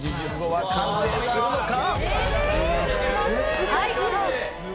すごい。